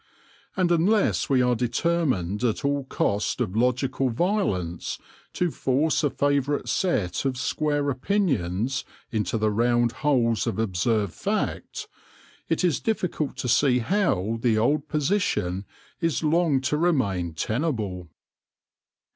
And unless we are determined at all cost of logical violence to force a favourite set of square opinions into the round holes of observed fact, it is difficult to see how the old position is long to remain tenable.